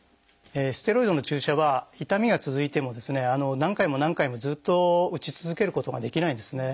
ステロイドの注射は痛みが続いてもですね何回も何回もずっと打ち続けることができないんですね。